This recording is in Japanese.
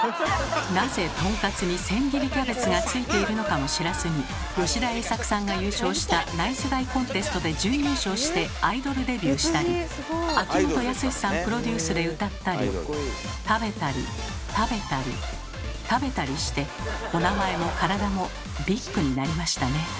なぜとんかつに千切りキャベツがついているのかも知らずに吉田栄作さんが優勝した「ナイスガイ・コンテスト」で準優勝してアイドルデビューしたり秋元康さんプロデュースで歌ったり食べたり食べたり食べたりしてお名前も体もビッグになりましたね。